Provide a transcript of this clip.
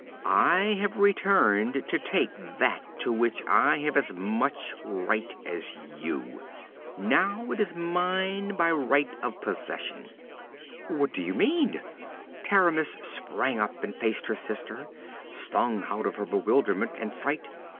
I have returned to take that to which I have as much right as you. Now it is mine by right of possession.' 'What do you mean?' Taramis sprang up and faced her sister, stung out of her bewilderment and fright.